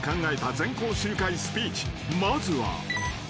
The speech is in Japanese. ［まずは］